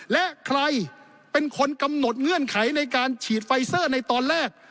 และใครเป็นคนกำหนดเงื่อนไขในการฉีดไฟเซอร์ในตอนแรก